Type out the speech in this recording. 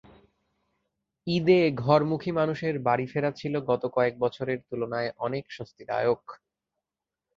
ঈদে ঘরমুখী মানুষের বাড়ি ফেরা ছিল গত কয়েক বছরের তুলনায় অনেক স্বস্তিদায়ক।